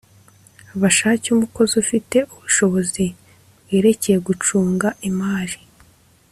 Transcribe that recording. bashake umukozi ufite ubushobozi bwerekeyegucunga imari